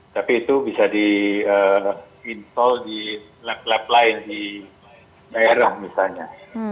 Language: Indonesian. tapi itu bisa di install di lab lab lain di daerah misalnya